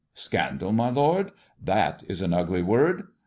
" Scandal, my lord I That is an ugly woi'd."